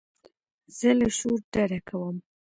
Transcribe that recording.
زه له شور ډډه کوم.